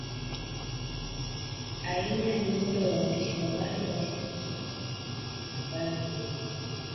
Aina ya miundo ya uandishi wa habari katika nyanja ya habari ni kubwa